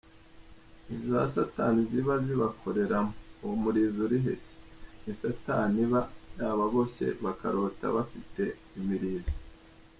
nizasatani ziba zibakoreramo uwomurizo urihe c nisatani iba yababoshye bakarota bafite imirizo.